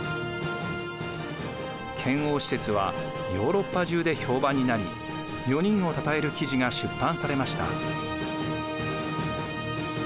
遣欧使節はヨーロッパ中で評判になり４人をたたえる記事が出版されました。